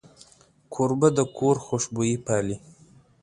کوربه د کور خوشبويي پالي.